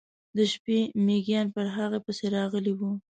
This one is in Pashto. د شپې میږیان پر هغه پسې راغلي و.